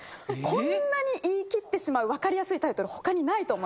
こんなに言い切ってしまう分かりやすいタイトル他にないと思います。